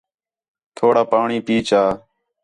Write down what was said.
تھوڑا پاݨی پئی چا